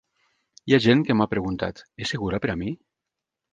Hi ha gent que m’ha preguntat: És segura per a mi?